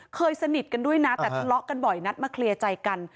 สนิทกันด้วยนะแต่ทะเลาะกันบ่อยนัดมาเคลียร์ใจกัน